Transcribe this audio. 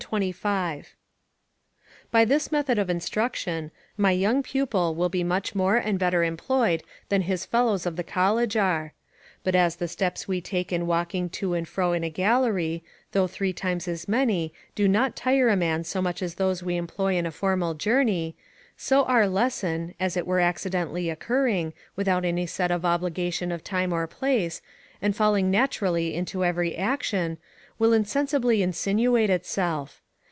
25.] By this method of instruction, my young pupil will be much more and better employed than his fellows of the college are. But as the steps we take in walking to and fro in a gallery, though three times as many, do not tire a man so much as those we employ in a formal journey, so our lesson, as it were accidentally occurring, without any set obligation of time or place, and falling naturally into every action, will insensibly insinuate itself.